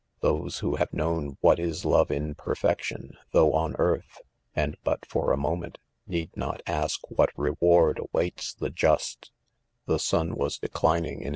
.Those who have known what is love in perfection, though on earth, and but for a moment, need not ask what reward awaits'the jiisfc. 6 The sun was declining in